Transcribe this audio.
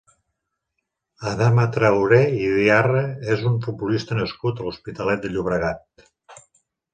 Adama Traoré i Diarra és un futbolista nascut a l'Hospitalet de Llobregat.